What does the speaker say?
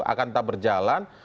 akan tetap berjalan